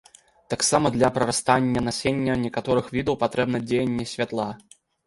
Таксама для прарастання насення некаторых відаў патрэбна дзеянне святла.